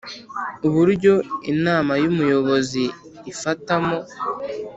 Uburyo Inama y Ubuyobozi ifatamo